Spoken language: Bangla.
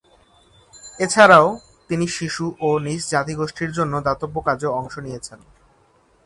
এছাড়াও, তিনি শিশু ও নিজ জাতিগোষ্ঠীর জন্য দাতব্য কাজেও অংশ নিয়েছেন।